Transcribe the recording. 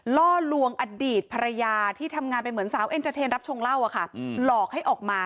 ล่อลวงอดีตภรรยาที่ทำงานเป็นเหมือนสาวเอ็นเตอร์เทนรับชงเหล้าอะค่ะหลอกให้ออกมา